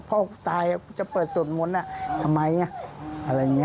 พ่อตายจะเปิดสวดมนต์ทำไมอะไรอย่างนี้